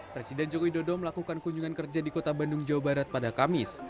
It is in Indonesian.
presiden jokowi dodo melakukan kunjungan kerja di kota bandung jawa barat pada kamis